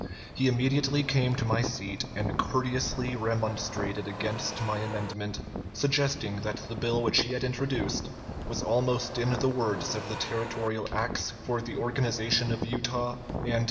He immediately came to my seat and courteously remonstrated against my amendment, suggesting that the bill which he had introduced was almost in the words of the territorial acts for the organization of Utah and.